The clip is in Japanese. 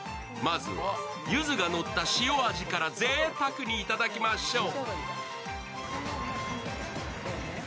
まずは柚子がのった塩味からぜいたくにいただきましょう。